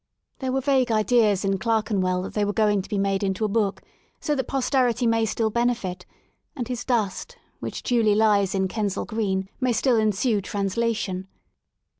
There were vague ideas in Clerkenwell that they were going to be made into a book, so that Pos terity may still benefit, and his dust, which duly lies in Kensal Green, may still ensue translation."